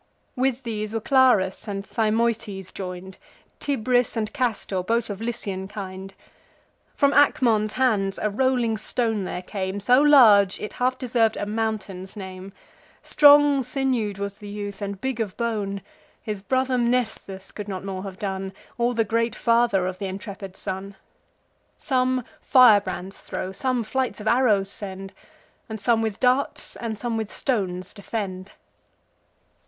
With these were Clarus and Thymoetes join'd; Tibris and Castor, both of Lycian kind. From Acmon's hands a rolling stone there came, So large, it half deserv'd a mountain's name: Strong sinew'd was the youth, and big of bone; His brother Mnestheus could not more have done, Or the great father of th' intrepid son. Some firebrands throw, some flights of arrows send; And some with darts, and some with stones defend.